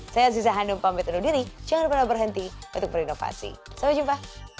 saya aziza hanum pamit undur diri jangan pernah berhenti untuk berinovasi sampai jumpa